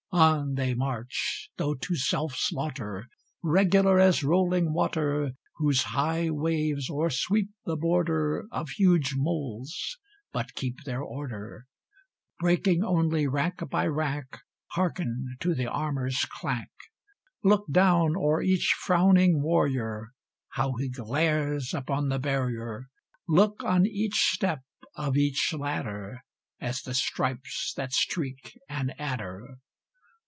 On they march, though to self slaughter, Regular as rolling water, Whose high waves o'ersweep the border Of huge moles, but keep their order, Breaking only rank by rank. Hearken to the armor's clank! Look down o'er each frowning warrior, How he glares upon the barrier: Look on each step of each ladder, As the stripes that streak an adder.